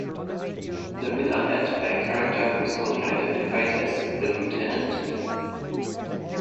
The men are led by a character who is only identified as "the Lieutenant".